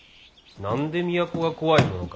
何で都が怖いものか！